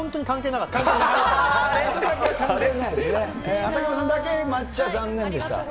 畠山さんだけ、抹茶、残念でした。